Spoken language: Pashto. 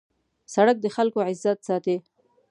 سړک د خلکو عزت ساتي.